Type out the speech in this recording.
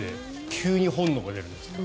急に本能が出るんですって。